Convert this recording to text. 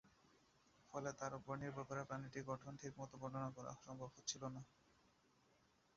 ফলে এর উপর নির্ভর করে প্রাণীটির গঠন ঠিকমতো বর্ণনা করা সম্ভব হচ্ছিল না।